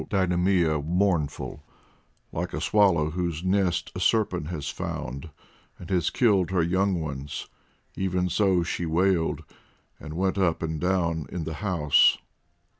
So next day they sailed, leaving Deidamia mournful, like a swallow whose nest a serpent has found, and has killed her young ones; even so she wailed, and went up and down in the house.